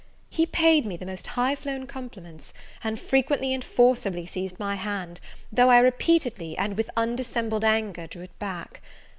He paid me the most high flown compliments; and frequently and forcibly seized my hand, though I repeatedly, and with undissembled anger, drew it back.